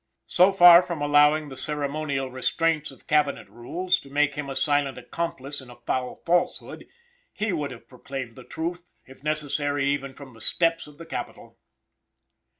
So far from allowing the ceremonial restraints of Cabinet rules to make him a silent accomplice in a foul falsehood, he would have proclaimed the truth, if necessary, even from the steps of the Capitol.